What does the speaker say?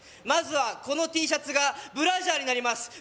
まずはこのＴシャツがブラジャーになります